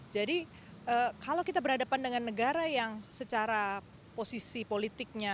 jadi kalau kita berhadapan dengan negara yang secara posisi politiknya